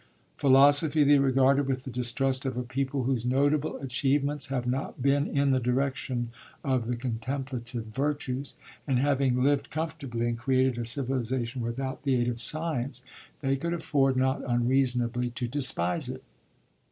Philosophy, they regarded with the distrust of a people whose notable achievements have not been in the direction of the contemplative virtues; and having lived comfortably and created a civilization without the aid of science, they could afford not unreasonably to despise it.